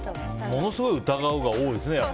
ものすごい疑うが多いですね。